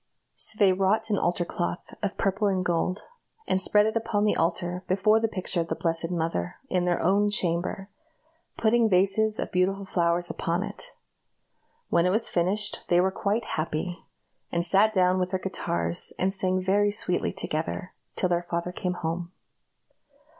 So they wrought an altar cloth of purple and gold, and spread it upon the altar, before the picture of the Blessed Mother, in their own chamber; putting vases of beautiful flowers upon it. When it was finished they were quite happy, and sat down with their guitars, and sang very sweetly together, till their father came home.